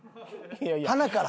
はなから。